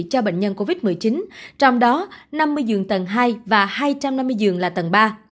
cho bệnh nhân covid một mươi chín trong đó năm mươi giường tầng hai và hai trăm năm mươi giường là tầng ba